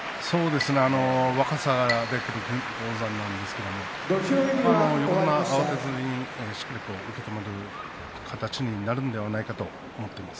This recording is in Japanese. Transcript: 若さあふれる金峰山ですが横綱は慌てずに、しっかりと受け止める形になるんではないかと思っています。